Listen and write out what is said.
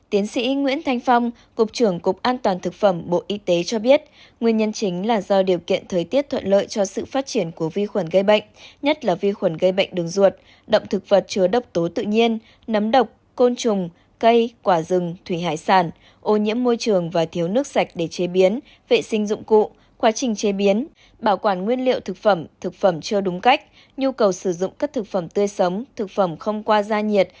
tiến sĩ nguyễn thanh phong cục trưởng cục an toàn thực phẩm bộ y tế cho biết nguyên nhân chính là do điều kiện thời tiết thuận lợi cho sự phát triển của vi khuẩn gây bệnh nhất là vi khuẩn gây bệnh đường ruột động thực vật chứa độc tố tự nhiên nấm độc côn trùng cây quả rừng thủy hải sản ô nhiễm môi trường và thiếu nước sạch để chế biến vệ sinh dụng cụ quá trình chế biến bảo quản nguyên liệu thực phẩm thực phẩm chưa đúng cách nhu cầu sử dụng các thực phẩm tươi sống thực phẩm không qua gia nhi